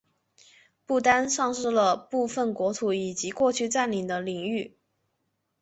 不丹丧失了部分国土以及过去占领的领域。